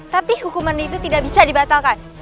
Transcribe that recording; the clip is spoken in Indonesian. tapi hukuman itu tidak bisa dibatalkan